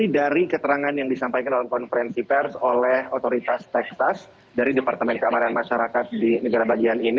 dari keterangan yang disampaikan dalam konferensi pers oleh otoritas tekstas dari departemen keamanan masyarakat di negara bagian ini